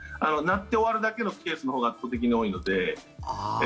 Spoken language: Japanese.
鳴って終わるケースのほうが圧倒的に多いので。